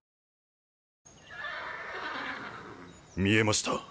見えました。